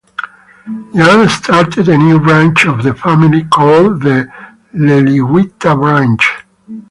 Jan started a new branch of the family, called the "Leliwita branch".